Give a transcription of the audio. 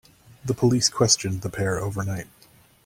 The police questioned the pair overnight